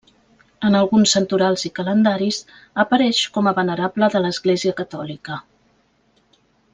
En alguns santorals i calendaris, apareix com a venerable de l'Església Catòlica.